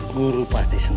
guru pasti senang